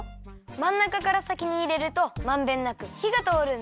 まんなかからさきにいれるとまんべんなくひがとおるんだよ。